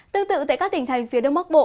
tương tự tại các tỉnh thành phía đông bắc bộ